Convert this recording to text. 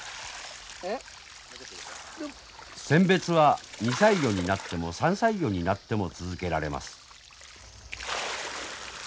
選別は２歳魚になっても３歳魚になっても続けられます。